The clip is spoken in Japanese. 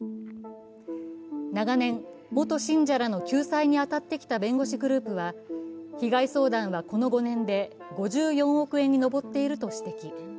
長年、元信者らの救済に当たってきた弁護士グループは被害相談はこの５年で５４億円に上っていると指摘。